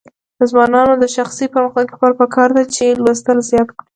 د ځوانانو د شخصي پرمختګ لپاره پکار ده چې لوستل زیات کړي.